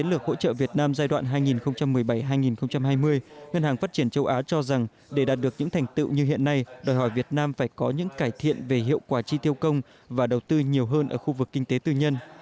hỗ trợ việt nam giai đoạn hai nghìn một mươi bảy hai nghìn hai mươi ngân hàng phát triển châu á cho rằng để đạt được những thành tựu như hiện nay đòi hỏi việt nam phải có những cải thiện về hiệu quả chi tiêu công và đầu tư nhiều hơn ở khu vực kinh tế tư nhân